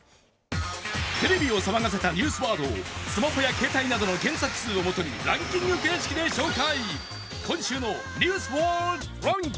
テレビを騒がせたニュースワードをスマホや携帯の検索数を基にランキング形式で紹介